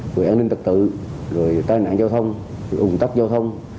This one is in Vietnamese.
người an ninh tật tự người tai nạn giao thông người ủng tắc giao thông